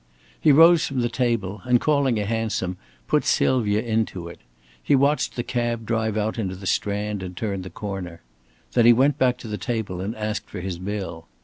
He rose from the table, and calling a hansom, put Sylvia into it. He watched the cab drive out into the Strand and turn the corner. Then he went back to the table and asked for his bill.